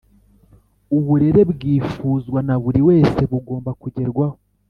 Uburere bwifuzwa naburi wese bugomba kugerwaho